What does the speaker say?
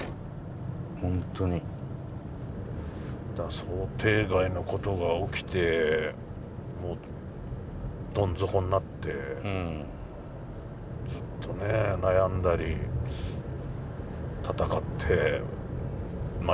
想定外のことが起きてどん底になってずっとね悩んだり闘ってまあ